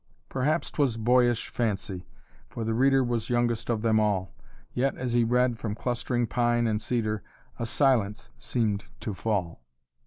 Perhaps 'twas boyish fancy, for the reader Was youngest of them all, Yet, as he read, from clustering pine and cedar A silence seemed to fall.